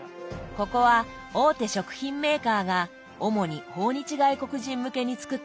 ここは大手食品メーカーが主に訪日外国人向けに作ったお店です。